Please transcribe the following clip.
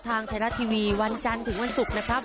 ทางไทยรัฐทีวีวันจันทร์ถึงวันศุกร์นะครับ